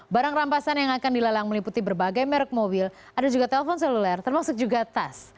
barang rampasan yang akan dilelang meliputi berbagai merek mobil ada juga telpon seluler termasuk juga tas